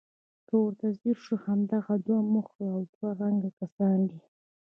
که ورته ځیر شو همدغه دوه مخي دوه رنګه کسان دي.